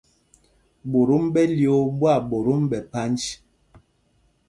Ɓotōm ɓɛ lyōō ɓwâɓotōm ɓɛ phanj.